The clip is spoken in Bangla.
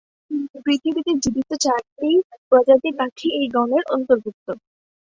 পৃথিবীতে জীবিত চারটি প্রজাতির পাখি এই গণের অন্তর্ভুক্ত।